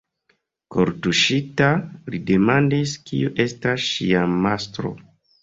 Kortuŝita, li demandis, kiu estas ŝia mastro.